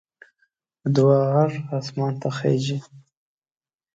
د دعا غږ اسمان ته خېژي